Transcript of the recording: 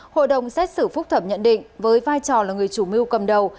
hội đồng xét xử phúc thẩm nhận định với vai trò là người chủ mưu cầm đầu